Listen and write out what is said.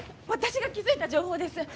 私が気づいた情報です。